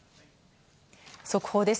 速報です。